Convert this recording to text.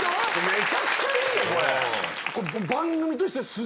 めちゃくちゃいいよこれ。